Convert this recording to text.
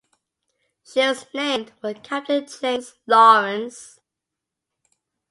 She was named for Captain James Lawrence.